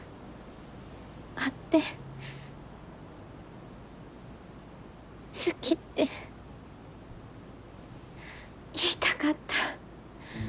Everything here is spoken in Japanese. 会って好きって言いたかった。